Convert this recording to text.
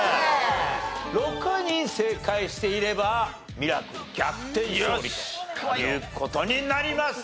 ６人正解していればミラクル逆転勝利という事になります。